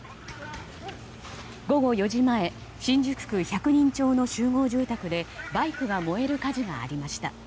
午後４時前新宿区百人町の集合住宅でバイクが燃える火事がありました。